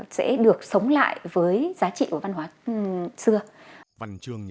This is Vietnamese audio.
sẽ được sống lại với giá trị của văn hóa xưa